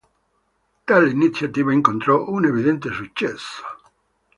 Tale iniziativa incontrò un evidente successo.